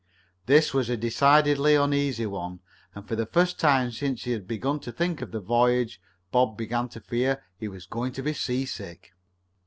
This was a decidedly uneasy one, and for the first time since he had begun to think of the voyage Bob began to fear he was going to be seasick.